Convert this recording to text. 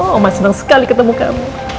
mama seneng sekali ketemu kamu